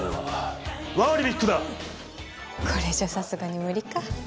これじゃさすがに無理か。